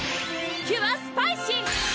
キュアスパイシー！